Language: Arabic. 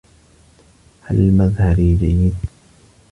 هل مظهري جيد؟